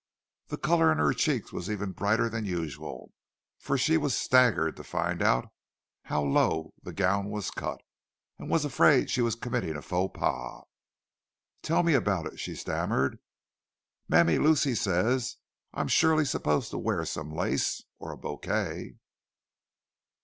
The colour in her cheeks was even brighter than usual; for she was staggered to find how low the gown was cut, and was afraid she was committing a faux pas. "Tell me about it," she stammered. "Mammy Lucy says I'm surely supposed to wear some lace, or a bouquet."